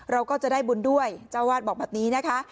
เราก็จะได้บุญด้วยเจ้าวาดบอกแบบนี้นะคะ